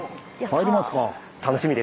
入りますか。